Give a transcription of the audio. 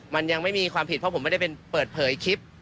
มันยังไม่มีความผิดเพราะผมไม่ได้เป็นเปิดเผยคลิป